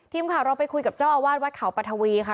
ทีมข่าวเราไปคุยกับเจ้าอาวาสวัดเขาปรัฐวีค่ะ